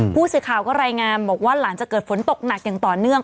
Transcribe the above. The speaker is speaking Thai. ผู้สื่อข่าวก็รายงานบอกว่าหลังจากเกิดฝนตกหนักอย่างต่อเนื่อง